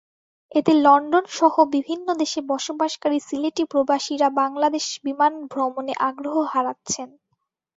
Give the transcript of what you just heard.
এতে লন্ডনসহ বিভিন্ন দেশে বসবাসকারী সিলেটি প্রবাসীরা বাংলাদেশ বিমানে ভ্রমণে আগ্রহ হারাচ্ছেন।